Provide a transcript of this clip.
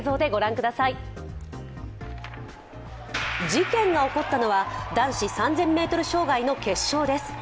事件が起こったのは男子３０００ｍ障害の決勝です。